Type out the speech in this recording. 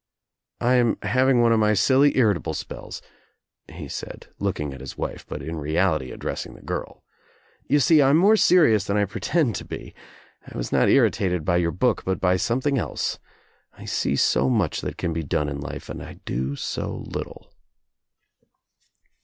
"I am having one of my silly irritable spells," he said, looking at his wife but in reality addressing the girl. "You see I am more serious than I pretend to be. I was not irritated by your book but by something else. I see so much that can be done in life and I do so little."